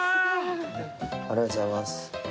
ありがとうございます。